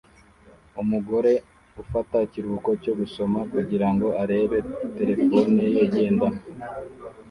Umugore ufata ikiruhuko cyo gusoma kugirango arebe terefone ye igendanwa